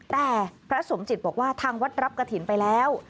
แต่พระสมจิตบอกว่าทางวัดรับกระถิ่นไปแล้ว